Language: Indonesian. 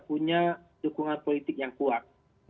punya dukungan politik yang kuat